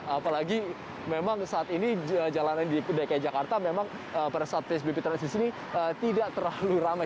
apalagi memang saat ini jalanan di dki jakarta memang pada saat psbb transisi ini tidak terlalu ramai